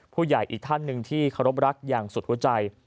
อีกท่านหนึ่งที่เคารพรักอย่างสุดหัวใจ